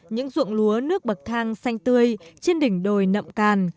những ruộng lúa nước bậc thang xanh tươi trên đỉnh đồi nậm càn